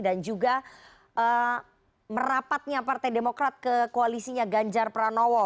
dan juga merapatnya partai demokrat ke koalisinya ganjar pranowo